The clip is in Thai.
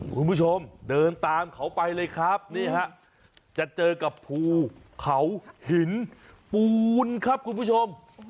คุณผู้ชมเดินตามเขาไปเลยครับนี่ฮะจะเจอกับภูเขาหินปูนครับคุณผู้ชม